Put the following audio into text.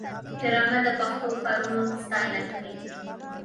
ډرامه د ښو کارونو ستاینه کوي